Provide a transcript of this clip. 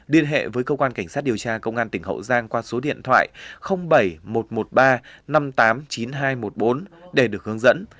liên hệ với công an tỉnh hậu giang qua số điện thoại bảy một một ba năm tám chín hai một bốn để được hướng dẫn